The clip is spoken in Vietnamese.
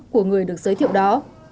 của người được giới thiệu đó